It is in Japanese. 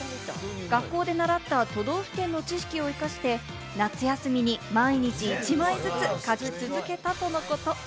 学校で習った都道府県の知識を生かして、夏休みに毎日１枚ずつ描き続けたとのこと。